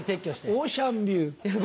オーシャンビュー。